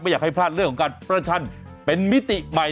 อยากให้พลาดเรื่องของการประชันเป็นมิติใหม่